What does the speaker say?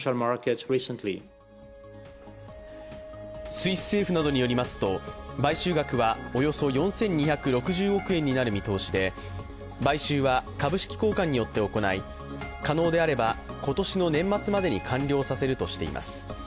スイス政府などによりますと買収額はおよそ４２６０億円になる見通しで買収は株式交換によって行い可能であれば今年の年末までに完了させるとしています。